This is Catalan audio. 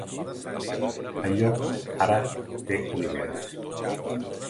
El lloc ara té oliveres.